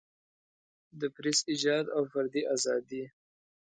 د پریس ایجاد او فردي ازادۍ.